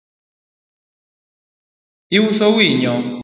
Iuso winyo?